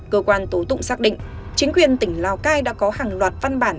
cơ quan tố tụng xác định chính quyền tỉnh lào cai đã có hàng loạt văn bản